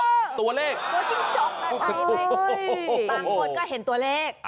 บางคนก็เห็นตัวเลข